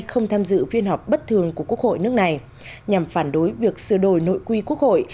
không tham dự phiên họp bất thường của quốc hội nước này nhằm phản đối việc sửa đổi nội quy quốc hội